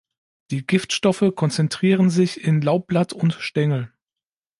Die Giftstoffe konzentrieren sich in Laubblatt und Stängel.